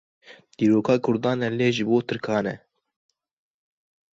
Dîroka kurdan e lê ji bo tirkan e.